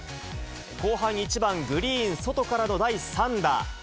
後半１番、グリーン外からの第３打。